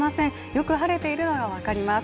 よく晴れているのが分かります。